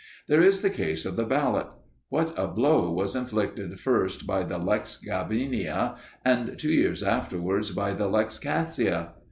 There is the case of the ballot: what a blow was inflicted first by the lex Gabinia, and two years afterwards by the lex Cassia!